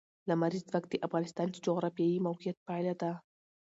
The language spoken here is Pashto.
لمریز ځواک د افغانستان د جغرافیایي موقیعت پایله ده.